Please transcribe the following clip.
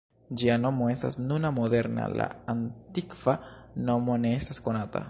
Ĝia nomo estas nuna moderna, la antikva nomo ne estas konata.